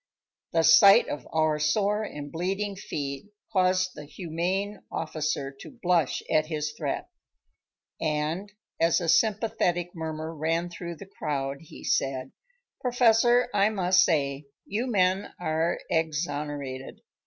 The sight of our sore and bleeding feet caused the "humane" officer to blush at his threat, and as a sympathetic murmur ran through the crowd he said: "Professor, I must say, you men are exonerated.